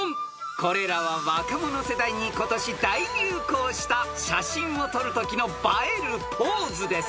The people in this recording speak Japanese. ［これらは若者世代に今年大流行した写真を撮るときの映えるポーズです］